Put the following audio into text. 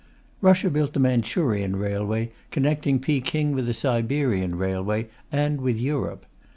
Russia built the Manchurian Railway, connecting Peking with the Siberian Railway and with Europe.